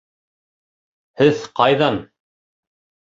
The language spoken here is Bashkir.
Һеҙ ҡайҙан?